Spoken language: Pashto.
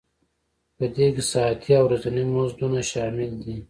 په دې کې ساعتي او ورځني مزدونه شامل دي